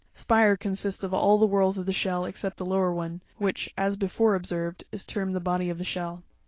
'. Spire consists of all the whorls of the shell except the lower one, which, as before observed, is termed the body of the shell.